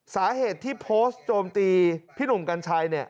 สาเหตุที่โพสต์โจมตีพี่หนุ่มกัญชัย